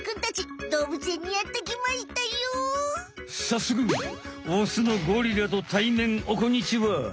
さっそくオスのゴリラと対面おこんにちは！